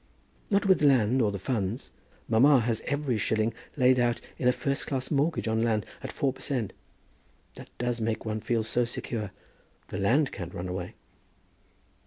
"Not with land, or the funds. Mamma has every shilling laid out in a first class mortgage on land at four per cent. That does make one feel so secure! The land can't run away."